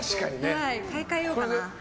買い替えようかな。